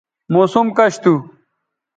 موسم کش تھو